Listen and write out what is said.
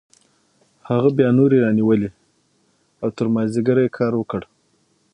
هغه بیا نورې رانیولې او تر مازدیګره یې کار وکړ